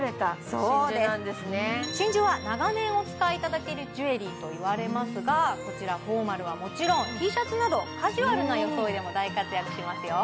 そうです真珠は長年お使いいただけるジュエリーといわれますがこちらフォーマルはもちろんＴシャツなどカジュアルな装いでも大活躍しますよ